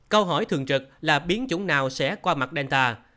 câu hỏi thường trực là biến chủng nào sẽ qua mặt delta